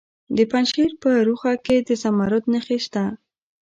د پنجشیر په روخه کې د زمرد نښې شته.